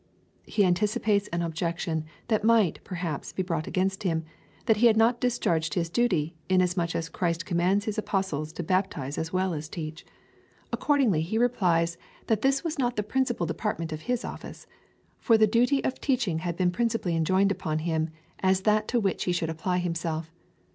He anticipates an objection that might, perhaps, be brought against him — that he had not discharged his duty, inasmuch as Christ commands his Apostles to baptize as well as teach. Accordingly he re 72 COMMENTARY ON THE CHAP. I. 1 7. plies, that this was not the principal department of his office, for the duty of teaching had been principally enjoined upon him as that to which he should aj^ply himself.